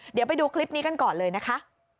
เดี๋ยวไปดูคลิปนี้กันก่อนเลยนะคะ